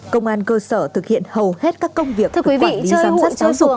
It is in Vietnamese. công an cơ sở thực hiện hầu hết các công việc của quản lý giám sát giáo dục